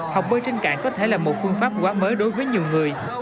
học bơi trên cạn có thể là một phương pháp quá mới đối với nhiều người